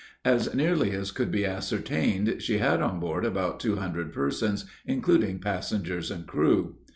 As nearly as could be ascertained, she had on board about two hundred persons, including passengers and crew.